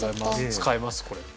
使いますこれ。